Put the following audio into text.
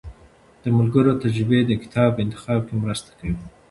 د ملګرو تجربې د کتاب انتخاب کې مرسته کوي.